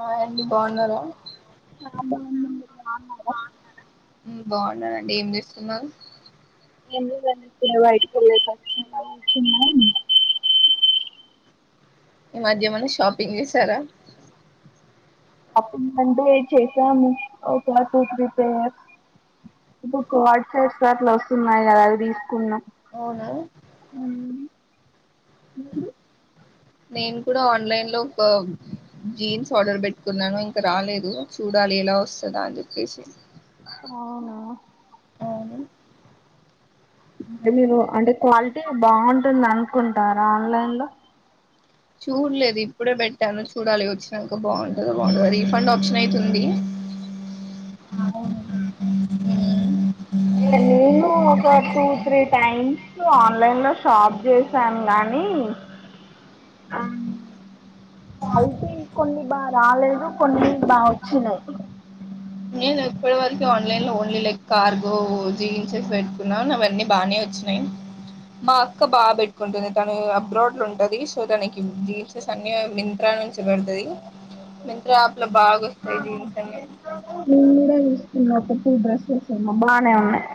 ఆ అ బాగున్నారా అమ్మంది ఆన్నారు బాగుంటదండి ఏం చేస్తున్నారు ఎనీ వాైట్లచ్చన్నా ఈ మధ్యమన్న షాపింగ్ చేసారా అప్పుడు అండి చేసాము ఒకఓ టూ త్రీ పేయర్ ఇ పోస్టర్లస్తున్నాయ అవి దీ కున్నా అవున నేను కూడా ఆన్లైన్ లో ఒక జీన్స్ ఆర్డర్ పెట్టుకున్నాను ఇంక రాలేదు చూడాలి ఎలా వస్తదా అని చెప్పేసి అవునా అవును అంటే మీరు అంటే క్వాలిటీ బాగుంట ద అనుకుంటారా ఆన్లైన్ లో చూడలేదు ఇప్పుడే బట్ న చూడాలి వచ్చినాక బాగుంటంది బాగుంట రీఫండ్ ఆప్షన్ అవుతుంది అ ఉమ్ నేను ఒక టూ తీ టైమ్ ఆన్లైన్ లో షాప్ చేసాను గానీ అయితే కొన్ని బాగా రాలేదు కొన్ని బాగా వచ్చినాయి నేను ఇప్పటి వరకు ఆన్లైన్లో ఓన్లీ లైక్ కార్గో జీన్సెస్ పెట్టుకున్నాను అవన్నీ బాగానే వచ్చినాయి మా అక్క బాగా పెట్టుకుంటుంది తను అబ్రాడ్లో ఉంటుంది సో తనకి జీన్సెస్ అన్నీ మింత్రా నుంచి పెడుతుంది మింత్రా యాప్లో బాగా వస్తాయి జీన్స్ అన్ని మేను కూడా చూసుకున్నాప్పుూ డ్రెస్లెస్ ఏమ బాగా ఉన్నాయి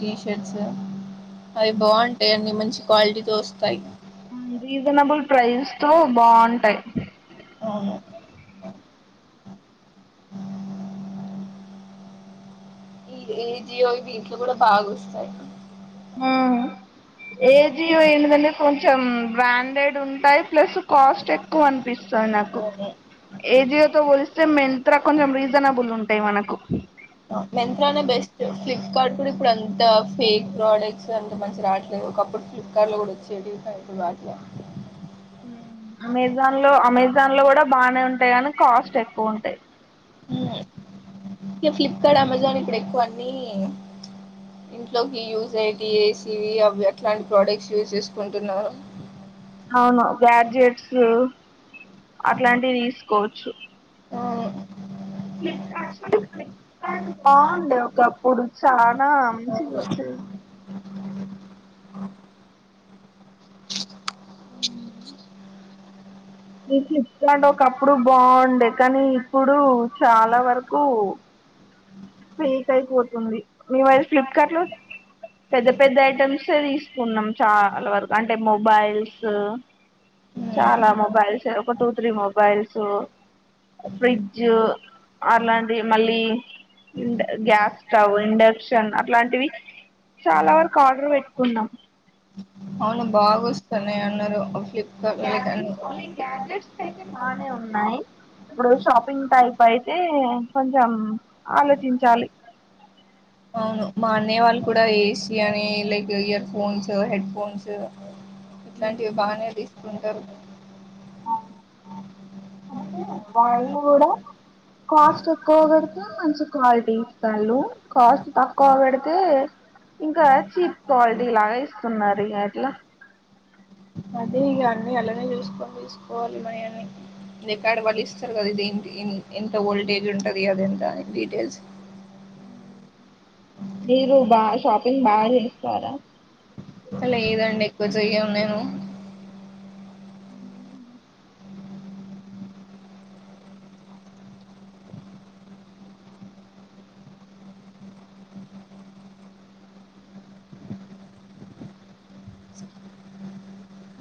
టీషర్ట్స్ అవి బాగుంటాయి అన్ని మంచి క్వాలిటీతో వస్తాయి రీజనబుల్ ప్రైస్ తో బాగుంటాయి ఆ ఆ ఈ ఈ జియో వీంట్లో కూడా బాగా వస్తాయి ఉమ్ ఏజియో ఏంటిదండి కొం చం బ్రాండెడ్ ఉంటాయి ప్లస్ కాస్ట్ ఎక్కువ అనిపిస్తుంది నాకు ఏజియో తో పోలి స్తె మెంత్ర కొంచెం రీజనబుల్ ఉంటాయి మనకు మెంత్రానే బెస్ట్ ఫ్లిప్కార్ట్ కూడా ఇప్పుడు అంత ఫేక్ ప్రోడక్ట్స్ అంత మంచి రావట్లేదు ఒకడు ఫ్లిప్కార్ట్ లో కూడా వచ్చే టివి కని ఇప్పుడు రావట్లే అమెజాన్ లో అమెజాన్ లో కూడా బాగానే ఉంటాయి అని కాస్ట్ ఎక్కువ ఉంటాయి ఇకా ఫ్లిప్కార్ట్ అమెజాన్ ఇక్కడ ఎక్కువ అన్నీ ఇంట్లోకి యూజ్ అఏటిఏసి అవి అట్లాంటి ప్రోడక్ట్స్ యూజ్ చేసుకుంటున్నా అవును గ్యాడ్జెట్స్ అట్లాంటివి తీసుకోవచ్చు ఫ్లిప్కార్ట్స్ కార్డు బాగుండే ఒకప్పుడు చాలా మంచిగ వచ్చేది ఇగ ఫ్లిప్కంట్ ఒకప్పుడు బాగుండే కానీ ఇప్పుడు చాలా వరకు ఫ్రీట్ అయిపోతుంది మేమయి ఫ్లిప్కార్ట్ లో పెద్ద పెద్ద ఐటమ్స్ తీసుకున్నాం చాలా వరకు అంటే మొబైల్స్ చాలా మొబైల్స్ ఒక టూ త్రీ మొబైల్స్ ఫ్రిడ్జ్ అలాంటి మళ్ళీ గ్యాస్ స్టవ్ ఇండక్షన్ అట్లాంటివి చాలా వరకు ఆర్డర్ పెట్టుకున్నాం అవును బాగా వస్తాను అన్నారు అ గ్యాడ్జెట్స్ ఓన్లీ గ్యాడ్జెట్స్ అయితే బాగానే ఉన్నాయి, ఇప్పుడు షాపింగ్ టైప్ అయితే కొంచం ఆలోచించాలి అవును మా అన్నయ్య వాళ్ళు కూడా ఏసి అని like earphones headphones ఇట్లాంటివి బాగానే దీస్ కొంటారు అందుకే వాళ్ళ్ళు కూడా కాస్ట్ ఎక్కువ పెడితే మంచి క్వాలిటీ ఇస్తళ్లు కాస్ట్ తక్కువ పెడితే ఇంకా చీప్ క్వాలిటీ లాగా ఇస్తున్నారు అట్లా చూకోని తిసుకోవాలి మయన్ని రికార్డ్ వాళ్ళు ఇస్తున్నది ఇది ఎంత ఓల్టేజ్ ఉంటది అది ఎంత అని డీటెయిల్స్ మీరు బా షాపింగ్ బా దిప్పారా రొయ్య ఉందేమో అ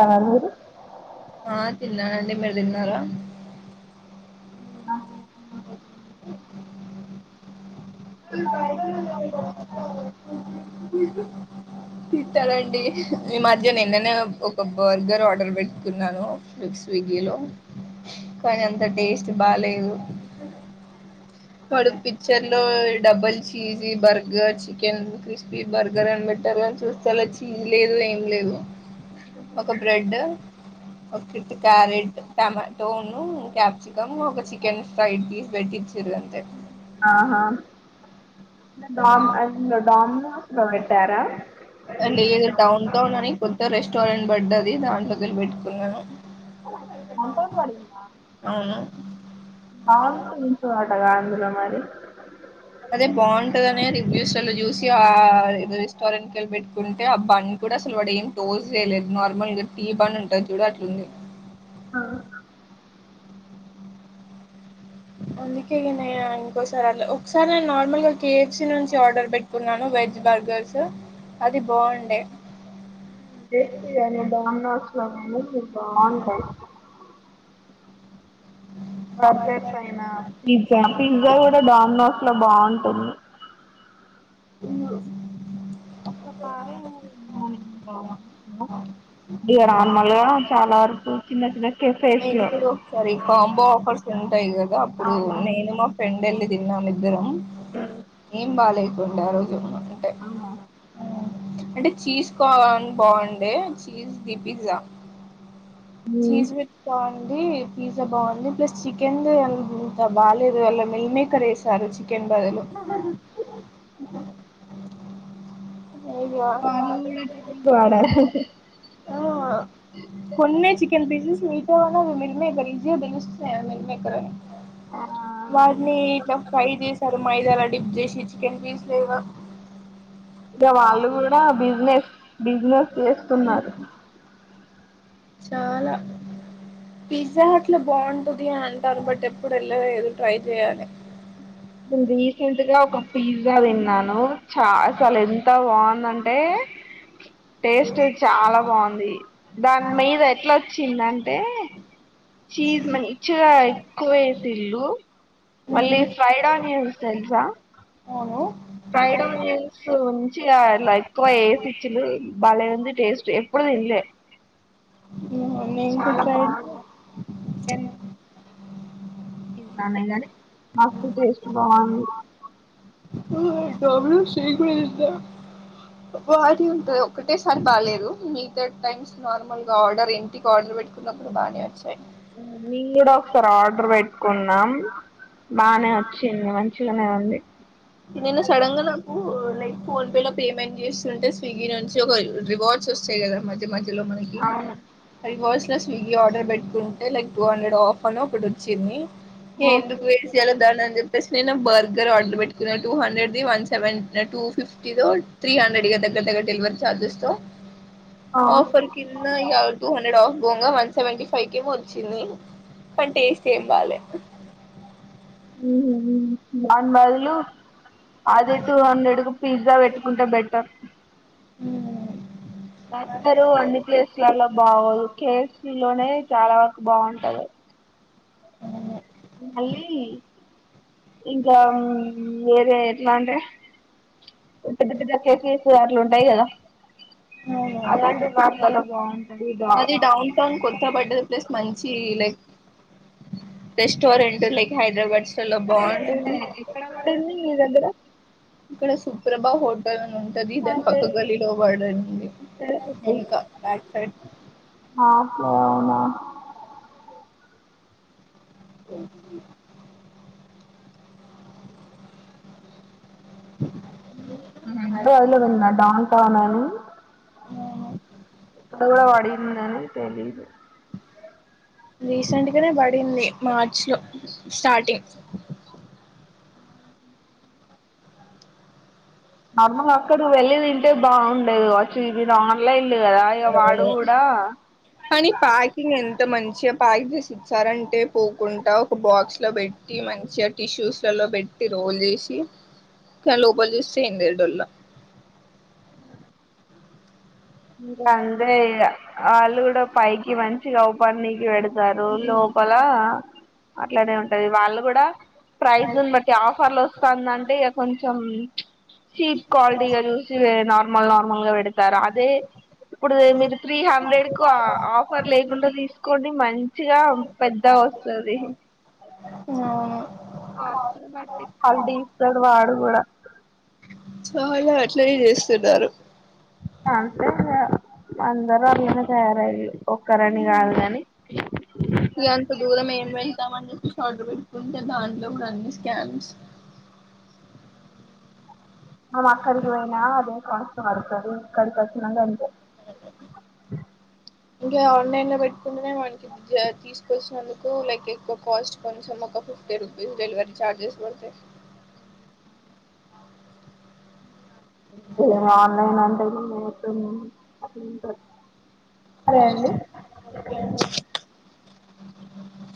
ఎఊరు ఆ తిన్నానండి మీరు తిన్నారా ఆ తిట్టాలండి మీ మధ్య నిన్ననే ఒక బర్గర్ ఆర్డర్ పెట్టుకున్నాను, స్విగ్గీ లో కానీ అంత టేస్ట్ బాలేదు వాడు పిచర్ లో double cheese burger chicken crispy burger అని బెట్టర్ అని చూస్తే అలా చీజ్ లేదు ఏం లేదు, ఒక బ్రెడ్, ఒక క్యారెట్ టమాటోను, క్యాప్సికమ్, ఒక చికెన్ ఫ్రైడ్ పీస్ పెట్టించారు అంతే ఆహా డం డోమినస్ లో పెట్టారా రెస్టారెట్ పడ్డ అది దాని పలి పెట్టుకున్నాను అవును బాగు ఉ వాటగాంధలో మరి అదే బాగుంటదనే రివ్యూస్లలో చూసి ఆ రెస్టారెంట్కి వెళ్ళ పెట్టుకుంటే ఆ బండ్ కూడా అసలు వాడు ఏం టోజ్ చేయలేదు నార్మల్గా టీ బం ఉంటది చూడ అట్లుంది ఆ అందుకేనే ఇంకోసారి, ఒకసారి నేను నార్మల్గా కె ఫ్ సి నుంచి ఆర్డర్ పెట్టుకున్నాను వెజ్ బర్గర్స్ అది బాగుండే [inaudible] బర్గర్ పైన పిజ్జా పిజ్జా కూడా డామినోస్ లో బాగుుంది అవును ఉ [inaudible] ఇ రాన్ మల్గా చాలా వరకు చిన్న చిన్న మ కెఫేస్ లో ఇంకు ఒకసారి కాంబో ఆఫర్స్ ఉంటాయి కదా అప్పుడు అవునవును నేను మా ఫ్రెండ్ రండి తిందాం ద్దరం ఏం బాలే బిట్ ఆ రోజు చెప్నా అవునా అంటే చీజ్ కాన్ బావుండే చీజ్ ది పిజ్జా చిస్ మీకు విత్ కా పిజ్జా బాగుంది ప్లస్ చికెన్ ఇంత బాలేదు వాళ్ళ మిల్ మేకర్ వేశారు చి ఎంపదిలు వాడారా కొన్న చికెన్ పీసెస్ మీాతో [inaudible] వాళని ఇట్లా ఫైది సారు మైదా టిప్జసి చికెన్ పీస్ లేవా ఇంకా వాళ్ళు కూడా బిజినెస్ బిజినెస్ చేస్తున్నారు చాలా పిజ్జా అట్ల బావుంటది అంటారు బట్ ఎప్పుడు వెళ్ళలేదు ట్రై చెయ్యాలి దృది సెంట్ గా ఒక పిజ్జా తిన్నాను చా అసలెంత బాన్ నంటే టేస్టే చాలా బావుంది దాని మీద ఎట్ల చిందంటే చీజ్ మ ఇచ్చగా ఎక్కువేసిల్లు మళ్ళి ఫైడాన్ యూస్ తెల్సా అవును ఫ్రైడ్ ఓనియన్స్ ఉంచిగా అలా ఎక్కువ ఏసిచ్చిలు భలే ఉంది టేస్ట్ ఎప్పుడు తినలే నేను కూడా చాలా ట్రై బావుంది యన్ [inaudible] మస్తు టేస్ట్ బావుంది [unintelligible] ఉంటది ఒకటే సారి బాలేదు మీతా టైమ్స్ నార్మల్ గా ఆర్డర్ ఇంటికి ఆర్డర్ పెట్టుకున్నప్పుడు బాగానేవచ్చి నీన్ కూడ ఒకసార్ ఆర్డర్ పెట్ కున్నాం బానే వచ్చింది మంచిగానే ఉంది నేను సడన్ గా నాకు లైక్ ఫోన్ పే లో పేమెంట్ చేస్తుంటే స్విగ్గీ నుంచి ఒక రివార్డ్స్ వస్తాయి కదా మధ్య మ ద్యలో మనకి అవును రివర్స్లో స్విగ్గీ ఆర్డర్ పెట్టుకుంటే లైక్ టూ హండ్రెడ్ ఆఫ్ అనొకటొచ్చింది ఏ ఎందుకు వేసియ్యాల దాన్ అన్ చె తెస్ నే న బర్గర్ ఆర్డర్ పెట్ కున టూ హండ్రెడ్ ది వన్ సెవెన్ టూ ఫిఫ్టీ తో త్రీ హండ్రెడ్ ఇగ దగ్గ దగ్గర డెలివరీ ఛార్జెస్ తో ఆఫర్ కింద ఇహ టూ హండ్రెడ్ ఆఫ్ పోంగా వన్ సెవెంటీ ఫైవ్ కేమో వచ్చింది కాని టేస్ట్ ఏం బాలే ఉహూ హుమ్ దాన్ బదులు అదే టూ హండ్రెడ్ కు పిజ్జా పెట్టుకుంటే బెటర్ వత్తరు అన్ని ప్లేసులలో బాగోదు కేఎఫ్సీ లోనే చాలా వరకు బాగుంటది అది మళ్ళీ ఇంకా వేరే ఎట్లా అంటే పెద్ద పెద్ద డ్రగ్ కేసెస్ అట్లు ఉంటాయి కదా అలాంటి అవునా వాటిలలో బాగుంటది ఇ అది డౌన్ టౌన్ కొత్త పడ్డ ప్లేస్ మంచి లైక్ రెస్టోరెంట్ లైక్ హైదరాబాద్ ఇక్కడే అంటే ఎక్కడ పడింది మీ దగ్గర ఇక్కడ సుప్రభా హోటలన్ ఉంటది దాని పక్క గల్లిలో పడంది వెనుక బ్యాక్ సైడ్ ఆప్ లో అవునా క ఊహూ పొలేదన్ మాట పానాని త కూడా పడిందని తెలీదు రీసెంట్గానే పడింది మార్చ్ లో స్టార్టింగ్ నార్మల్గా అక్కడ వెళ్ళి తింటే బావుండేది వచ్చి ఇదిది ఆన్లైన్ ఈలేదు గదా ఇగ వాడు గూడా కానీ ప్యాకింగ్ ఎంత మంచిగా ప్యాక్ చేసి ఇచ్చారంటే పోకుంట ఒక బాక్స్ లో పెట్టి మంచిగా టిష్యూస్లలో పెట్టి రోల్ చేసి కాని లోపల చూస్తే ఏంది లేదు డొల్ల ఇంకా అంతే ఇగ వాళ్లు కూడా పైకి మంచి ఇగ ఓపన్నికి పెడచ గారు లోపల అట్లానే ఉంటది వాళ్ళు గూడా ప్రైజ్ ను బట్టి ఆఫర్లు వస్తాందంటే ఇగ కొంచం చీప్ క్వాలటీ గా జూసి నార్ మల్ నార్మల్ గా పెడతారు అదే ఇప్పుడు మీరు త్రీ హండ్రెడ్ కు ఆఫర్ లేకుండ తీసుకోండి మంచిగా పెద్ద గా వస్తది ఆ హల్ తీస్తాడు వాడు కూడా వాళ్ళ అట్లనే చేస్తున్నారు అంతే ఇగ అందరూ అట్లనే తయారయిరు ఇగంత దూరం ఏం వెళ్తామని ఆర్డర్ పెట్టుకుంటే దాంట్లో కూడా అన్ని స్కామ్స్ మనము అక్కడికి పోయిన అదే కాస్ట్ పడ కదూ ఇక్కడి ఇక్కడికి వచ్చిన గంతే అ ఇంకా ఆన్లైన్లో పెట్టుకుంటేనే మనకి తీసుకొచ్చినందుకు లైక్ ఎక్కువ కాస్ట్ కొంచెం ఒక ఫిఫ్టీ రూపీస్ డెలివరీ ఛార్జెస్ బడతాయ్ ఆన్లైన్ అంటడు అప్పుడు సరే అండి